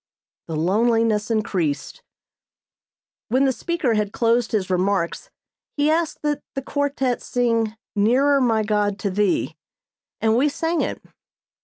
The loneliness increased. When the speaker had closed his remarks he asked that the quartet sing "Nearer My God to Thee," and we sang it.